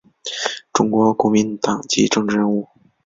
中国国民党籍政治人物。